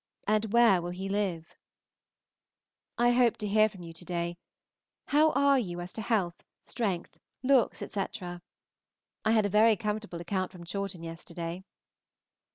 and where will he live? I hope to hear from you to day. How are you as to health, strength, looks, etc.? I had a very comfortable account from Chawton yesterday.